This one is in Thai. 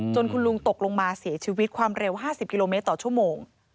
คุณลุงตกลงมาเสียชีวิตความเร็ว๕๐กิโลเมตรต่อชั่วโมง